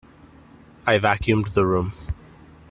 I vacuumed the room.